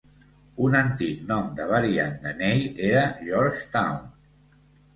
Un antic nom de variant de Ney era Georgetown.